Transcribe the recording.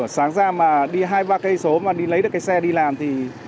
sáng ra mà đi hai ba km mà đi lấy được cái xe đi làm thì